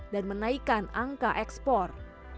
dan menaikkan angka ekspor